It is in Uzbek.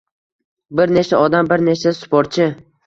Bir nechta odam, bir nechta sportchi